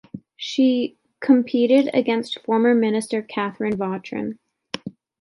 She competed against former minister Catherine Vautrin.